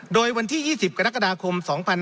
โดยวันที่๒๐กรกฎาคม๒๕๕๙